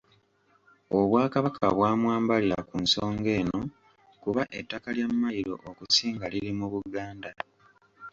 Obwakabaka bwa mwambalira ku nsonga eno kuba ettaka lya Mayiro okusinga liri mu Buganda.